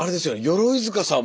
鎧塚さんも。